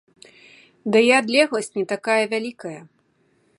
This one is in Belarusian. Да і адлегласць не такая вялікая.